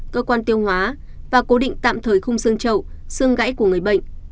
cơ quan tiêu hóa và cố định tạm thời khung xương trậu xương gãy của người bệnh